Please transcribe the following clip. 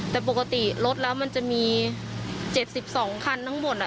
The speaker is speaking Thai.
แต่ปกติรถแล้วมันจะมี๗๒คันทั้งหมด